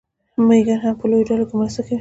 مېږیان هم په لویو ډلو کې مرسته کوي.